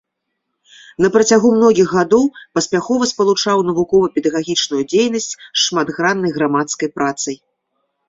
На працягу многіх гадоў паспяхова спалучаў навукова-педагагічную дзейнасць з шматграннай грамадскай працай.